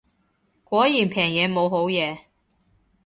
果然平嘢冇好嘢